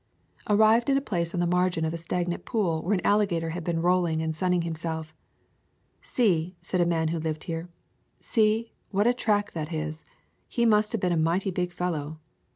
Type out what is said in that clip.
Arrived at a place on the margin of a stag nant pool where an alligator had been rolling and sunning himself. "See," said a man who lived here, "see, what a track that is! He must have been a mighty big fellow.